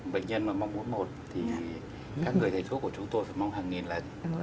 bệnh nhân mà mong muốn một thì các người thầy thuốc của chúng tôi phải mong hàng nghìn lần